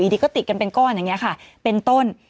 ดีก็ติดกันเป็นก้อนอย่างนี้ค่ะเป็นต้น